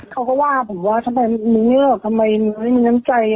เขาก็ว่าผมว่าทำไมมึงไม่ออกทำไมไม่มีน้ำใจ